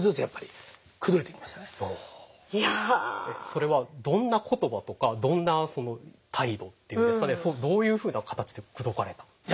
それはどんな言葉とかどんな態度っていうんですかねどういうふうな形で口説かれたんですか？